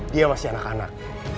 dia masih anak anak